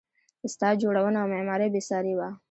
ښار جوړونه او معمارۍ بې ساري وه